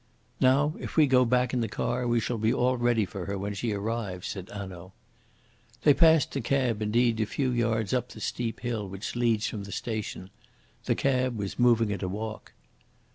"Now, if we go back in the car, we shall be all ready for her when she arrives," said Hanaud. They passed the cab, indeed, a few yards up the steep hill which leads from the station. The cab was moving at a walk.